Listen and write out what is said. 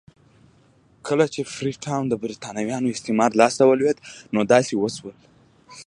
کله چې فري ټاون د برېټانوي استعمار لاس ته ولوېد نو داسې وشول.